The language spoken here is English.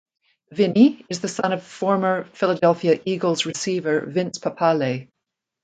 Vinny is the son of former Philadelphia Eagles receiver Vince Papale.